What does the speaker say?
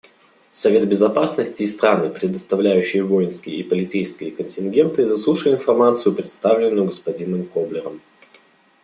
Совет Безопасности и страны, предоставляющие воинские и полицейские контингенты, заслушали информацию, представленную господином Коблером.